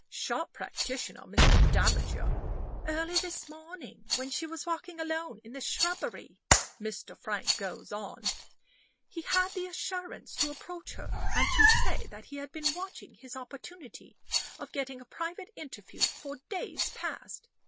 Sharp practitioner, Mr. Davager." "Early this morning, when she was walking alone in the shrubbery," Mr. Frank goes on, "he had the assurance to approach her, and to say that he had been watching his opportunity of getting a private interview for days past.